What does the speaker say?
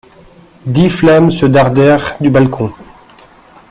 Dix flammes se dardèrent du balcon.